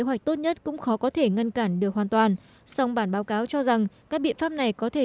hội đất cũng khó có thể ngăn cản được hoàn toàn song bản báo cáo cho rằng các biện pháp này có thể